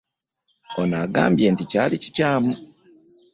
Ono agambye nti kyali kikyamu